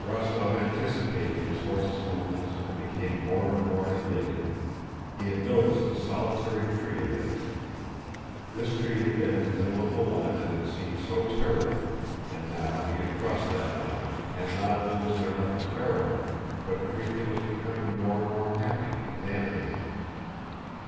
Rostóv anticipated his horse's movements and became more and more elated. He had noticed a solitary tree ahead of him. This tree had been in the middle of the line that had seemed so terrible—and now he had crossed that line and not only was there nothing terrible, but everything was becoming more and more happy and animated.